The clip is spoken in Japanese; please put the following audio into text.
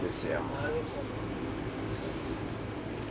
なるほど。